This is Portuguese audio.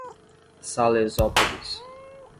Salesópolis